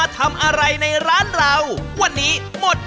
จริงสิเออแล้วน้ำก็กี่โมงนี่